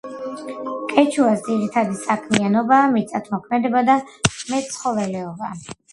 კეჩუას ძირითადი საქმიანობაა მიწათმოქმედება და მეცხოველეობა.